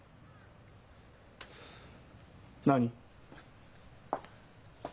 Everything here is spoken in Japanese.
何？